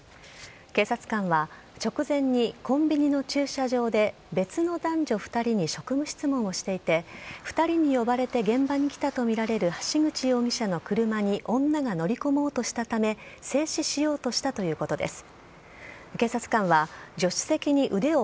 警察官は直前にコンビニの駐車場で別の男女２人に職務質問をしていて２人に呼ばれて現場に来たとみられる橋口容疑者の車に女が乗り込もうとしたため制止しようとしたということです。